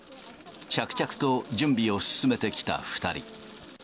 着々と準備を進めてきた２人。